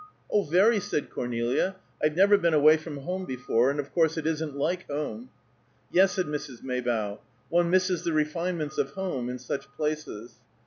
"Oh, very," said Cornelia. "I've never been away from home before, and of course it isn't like home." "Yes," said Mrs. Maybough, "one misses the refinements of home in such places."